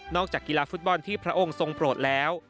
จากกีฬาฟุตบอลที่พระองค์ทรงโปรดแล้ว